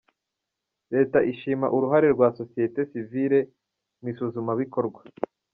Leta ishima uruhare rwa Sosiyete Sivile mu isuzumabikorwa